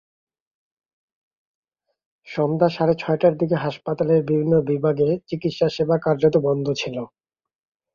সন্ধ্যা সাড়ে ছয়টার দিকে হাসপাতালের বিভিন্ন বিভাগে চিকিৎসাসেবা কার্যত বন্ধ ছিল।